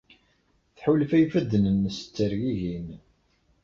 Tḥulfa i yifadden-nnes ttergigin.